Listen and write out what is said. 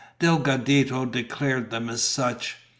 Delgadito declared them as such.